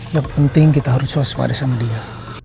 yang penting kita harus waspada sama dia